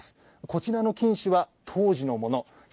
こちらの金糸は当時のもの。